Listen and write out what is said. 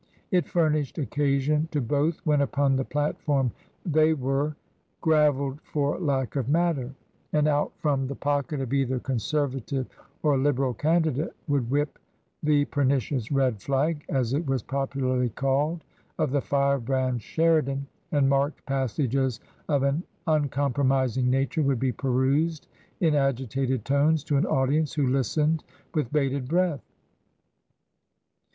It furnished occasion to both when upon the Platform they were " gravelled for lack of matter" ; and out from the pocket of either Conservative or Liberal candidate would whip the pernicious " Red Flag" (as it was popularly called) of the firebrand Sheridan, and marked passages of an uncompromising nature would be perused in agitated tones to an audience who listened with bated breath.